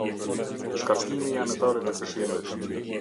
Shkarkimi i Anëtarit të Këshillit.